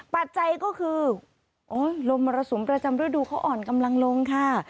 ปัจจัยก็คือโอ้ยลมมรสุมประจำฤดูเขาอ่อนกำลังลงค่ะ